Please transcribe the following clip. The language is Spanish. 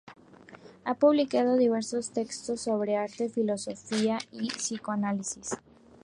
Ha publicado diversos textos sobre arte, filosofía y psicoanálisis.